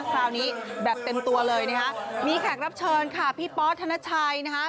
คราวนี้แบบเต็มตัวเลยนะคะมีแขกรับเชิญค่ะพี่ป๊อสธนชัยนะคะ